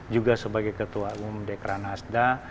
juga sebagai ketua umd kranasda